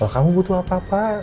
kamu butuh apa apa